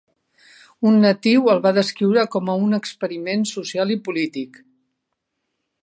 Un natiu el va descriure com a un experiment social i polític.